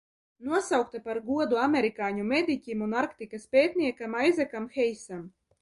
Nosaukta par godu amerikāņu mediķim un Arktikas pētniekam Aizekam Heisam.